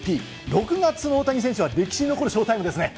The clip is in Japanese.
６月の大谷選手は歴史に残るショータイムですね。